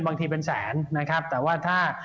บางทีเป็นแสนนะครับแต่ว่าถ้า